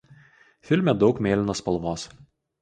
Filme daug mėlynos spalvos.